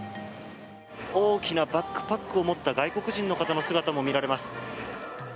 大きなバックパックを持った外国人の方の姿も見られます。